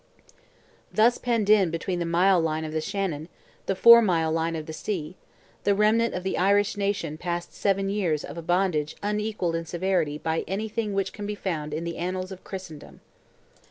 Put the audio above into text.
Thus penned in between "the mile line" of the Shannon, and "the four mile line" of the sea, the remnant of the Irish nation passed seven years of a bondage unequalled in severity by anything which can be found in the annals of Christendom.